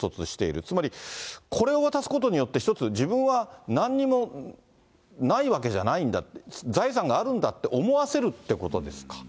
つまり、これを渡すことによって、一つ自分はなんにもないわけじゃないんだって、財産があるんだって思わせるってことですか。